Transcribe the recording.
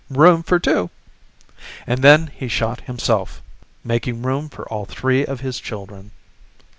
Room for two." And then he shot himself, making room for all three of his children.